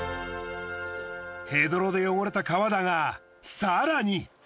ヘドロで汚れた川だが更に！